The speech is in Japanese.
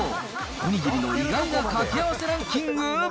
おにぎりの意外な掛け合わせランキング